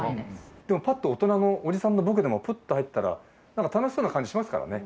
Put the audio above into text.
でもぱっと大人のおじさんの僕でもぷっと入ったら何か楽しそうな感じしますからね。